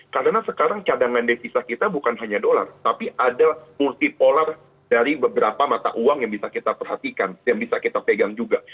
karena sekarang cadangan dari sisa kita bukan hanya dolar tapi ada multi polar dari beberapa mata uang yang bisa kita perhatikan yang bisa kita pegang juga